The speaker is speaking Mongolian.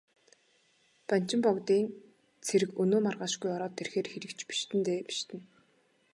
Банчин богдын цэрэг өнөө маргаашгүй ороод ирэхээр хэрэг ч бишиднэ дээ, бишиднэ.